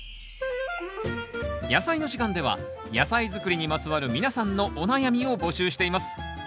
「やさいの時間」では野菜づくりにまつわる皆さんのお悩みを募集しています。